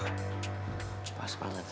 mereka pasti akan terpisah